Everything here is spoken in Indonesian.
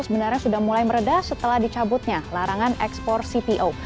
sebenarnya sudah mulai meredah setelah dicabutnya larangan ekspor cpo